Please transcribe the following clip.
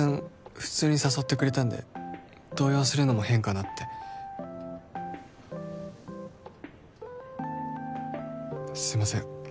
普通に誘ってくれたんで動揺するのも変かなってすいません